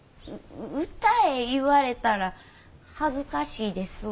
歌え言われたら恥ずかしいですわ。